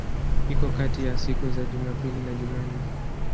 Iko kati ya siku za Jumapili na Jumanne.